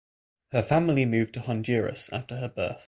Her family moved to Honduras after her birth.